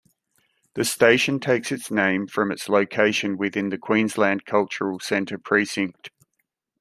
The station takes its name from its location within the Queensland Cultural Centre precinct.